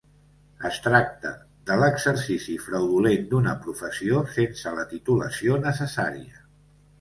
Es tracta de l'exercici fraudulent d'una professió sense la titulació necessària.